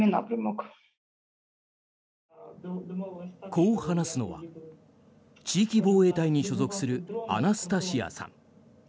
こう話すのは地域防衛隊に所属するアナスタシアさん。